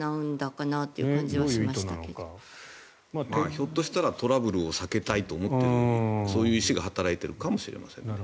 ひょっとしたらトラブルを避けたいというそういう意思が働いているかもしれませんね。